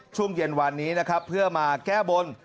ช่วงเย็นวันนี้นะครับเพื่อมาแก้บน